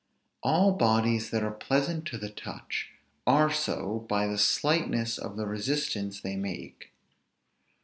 All bodies that are pleasant to the touch, are so by the slightness of the resistance they make.